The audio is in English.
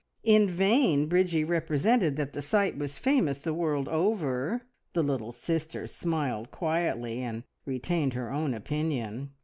In vain Bridgie represented that the site was famous the world over; the little sister smiled quietly, and retained her own opinion.